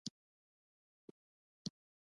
بوټونه د میلو لپاره ځلنده وي.